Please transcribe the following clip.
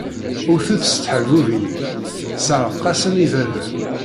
Ewt-d s tḥeṛbunin-ik, sseɛreq-asen iberdan!